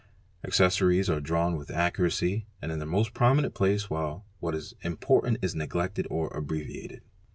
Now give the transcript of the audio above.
Accessories are drawn with accuracy and in the most prominent place while what is important is neglected or abbreviated.